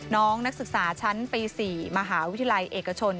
น้องนักศึกษาชั้นปี๔มหาวิทยาลัยเอกชน